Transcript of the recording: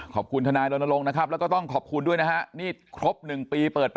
ขอบคุณทนายลงนะครับแล้วต้องขอบคุณด้วยนะนี่ครบ๑ปีเปิด